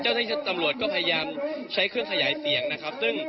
เจ้าหน้าที่ตำรวจก็พยายามใช้เครื่องขยายเสียงนะครับ